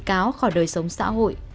bị cáo khỏi đời sống xã hội